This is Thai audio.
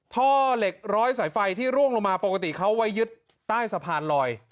ท่อเหล็กร้อยสายไฟที่ร่วงลงมาปกติเขาไว้ยึดใต้สะพานลอย